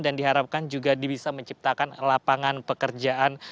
dan diharapkan juga bisa menciptakan lapangan pekerjaan